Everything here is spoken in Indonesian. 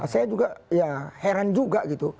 saya juga ya heran juga gitu